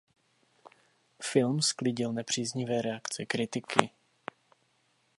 Film sklidil nepříznivé reakce kritiky.